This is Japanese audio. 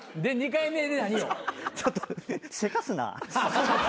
ちょっとせかすな。